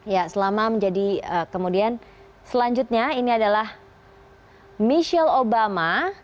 ya selama menjadi kemudian selanjutnya ini adalah michelle obama